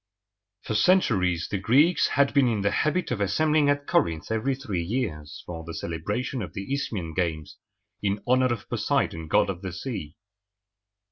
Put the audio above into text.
For centuries the Greeks had been in the habit of assembling at Corinth every three years for the celebration of the Isthmian games, in honor of Poseidon, god of the sea.